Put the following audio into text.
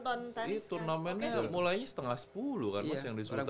turnamennya mulainya setengah sepuluh kan mas yang di sultan itu